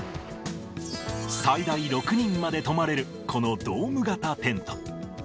最大６人まで泊まれるこのドーム型テント。